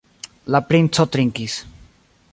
La princo trinkis.